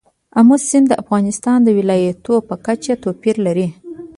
آمو سیند د افغانستان د ولایاتو په کچه توپیر لري.